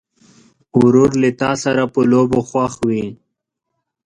ورور له تا سره په لوبو خوښ وي.